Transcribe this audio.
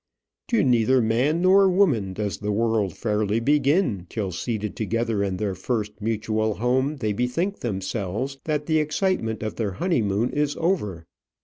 To neither man nor woman does the world fairly begin till seated together in their first mutual home they bethink themselves that the excitement of their honeymoon is over.